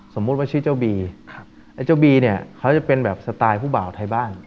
สมมุติว่าชื่อเจ้าบีไอ้เจ้าบีเนี่ยเขาจะเป็นแบบสไตล์ผู้บ่าวไทยบ้าน